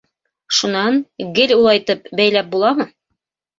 Шунан, гел улайтып бәйләп буламы?